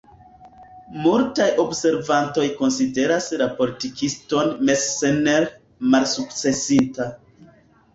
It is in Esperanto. Multaj observantoj konsideras la politikiston Messner malsukcesinta.